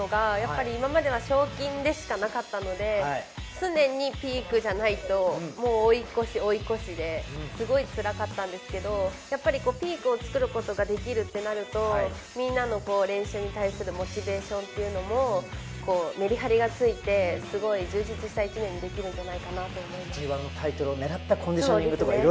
本当に大きいと思うのが、今までは賞金でしかなかったので、常にピークじゃないと追い越し、追い越しですごい辛かったんですけど、ピークを作ることができるってなると、みんなの練習に対するモチベーションというのもメリハリがついて、すごい充実した１年にできるんじゃないかなと思ってます。